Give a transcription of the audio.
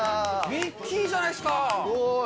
ミッキーじゃないですか。